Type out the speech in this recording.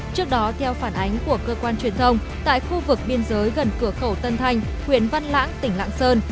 trước đó theo phản ánh của cơ quan truyền thông tại khu vực biên giới gần cửa khẩu tân thanh huyện văn lãng tỉnh lạng sơn